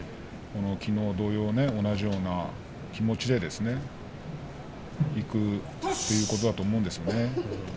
きのう同様同じような気持ちで行くということだと思うんですね。